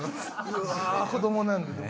子供なんでね。